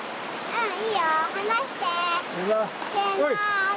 はい！